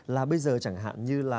là bây giờ chẳng hạn như là